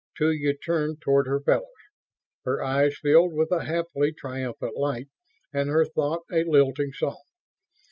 Tula turned toward her fellows. Her eyes filled with a happily triumphant light and her thought a lilting song.